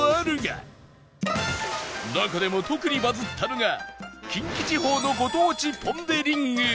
中でも特にバズったのが近畿地方のご当地ポン・デ・リング